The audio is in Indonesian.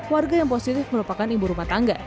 warga yang positif merupakan ibu rumah tangga